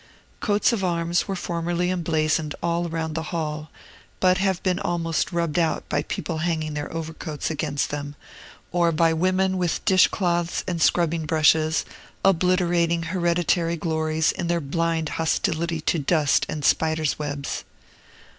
Coats of arms were formerly emblazoned all round the hall, but have been almost rubbed out by people hanging their overcoats against them or by women with dishclouts and scrubbing brushes, obliterating hereditary glories in their blind hostility to dust and spiders' webs.